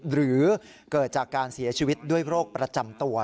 หรือเกิดจากการเสียชีวิตด้วยโรคประจำตัว